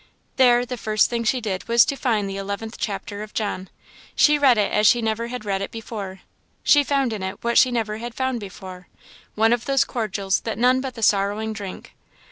There, the first thing she did was to find the eleventh chapter of John. She read it as she never had read it before; she found in it what she never had found before; one of those cordials that none but the sorrowing drink.